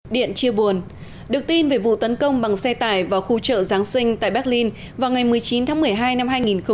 điện chia buồn được tin về vụ tấn công bằng xe tải vào khu chợ giáng sinh tại berlin vào ngày một mươi chín tháng một mươi hai năm hai nghìn một mươi chín